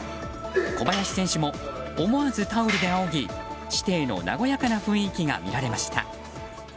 小林選手も思わずタオルであおぎ師弟の和やかな雰囲気が見られました。